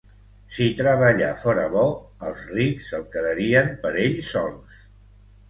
Si treballar fóra bo, els rics se'l quedarien per ells sols